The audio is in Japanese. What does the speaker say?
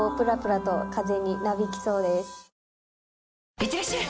いってらっしゃい！